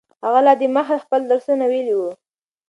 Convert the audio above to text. هغه لا دمخه خپل درسونه ویلي وو.